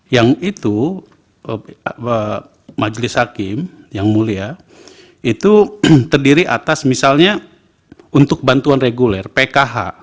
yang itu majelis hakim yang mulia itu terdiri atas misalnya untuk bantuan reguler pkh